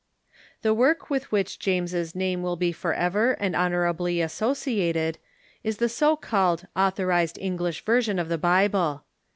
The work with which James's name will be forever and hon orably associated is the so called Authorized English Version Authorized ^^^^^® Bible.